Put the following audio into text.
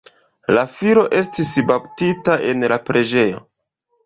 La filo estis baptita en la preĝejo.